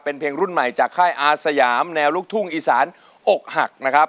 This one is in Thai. เป็นเพลงรุ่นใหม่จากค่ายอาสยามแนวลูกทุ่งอีสานอกหักนะครับ